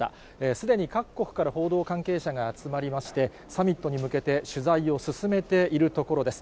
すでに各国から報道関係者が集まりまして、サミットに向けて、取材を進めているところです。